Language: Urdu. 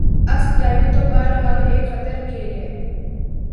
اسک ڈائیونگ تو بہر حال ایک خطر کھیل ہے